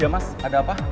ya mas ada apa